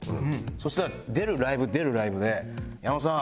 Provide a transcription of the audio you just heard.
そしたら出るライブ出るライブで。